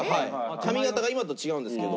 髪形が今と違うんですけど。